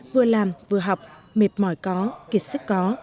vừa làm vừa học mệt mỏi có kiệt sức có